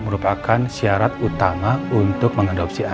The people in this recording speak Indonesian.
merupakan syarat utama untuk mengadopsi anak pak